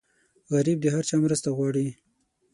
غریب د هر چا مرسته غواړي